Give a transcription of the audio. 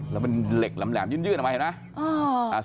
แล้วเป็นเหล็กแหลมยื่นออกมาเห็นไหม